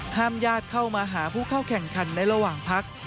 ญาติเข้ามาหาผู้เข้าแข่งขันในระหว่างพัก